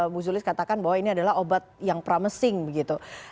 bu zulis katakan bahwa ini adalah obat yang promising begitu